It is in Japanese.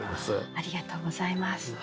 ありがとうございます。